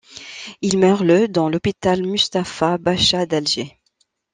Il meurt le dans l'hôpital Mustapha Bacha d'Alger.